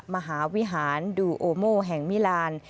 มหาวิหารดูโอโมแห่งมิลาน